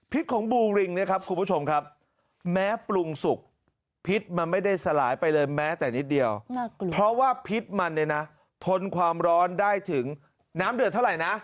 ของบูริงเนี่ยครับคุณผู้ชมครับแม้ปรุงสุกพิษมันไม่ได้สลายไปเลยแม้แต่นิดเดียวเพราะว่าพิษมันเนี่ยนะทนความร้อนได้ถึงน้ำเดือดเท่าไหร่นะ